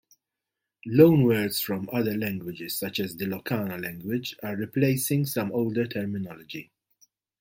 Loanwords from other languages, such as the Ilocano language, are replacing some older terminology.